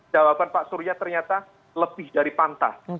jawaban pak surya ternyata lebih dari pantas